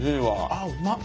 あっうまっ。